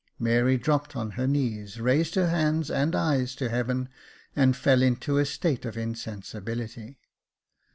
Mary dropped on her knees, raised her hands and eyes to heaven, and then fell into a state of insensibility.